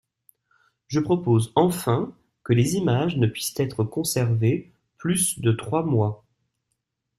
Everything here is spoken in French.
» Je propose enfin que les images ne puissent être conservées plus de trois mois.